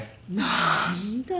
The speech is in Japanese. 何だ。